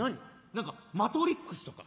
何か『マトリックス』とか？